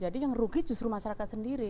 jadi yang rugi justru masyarakat sendiri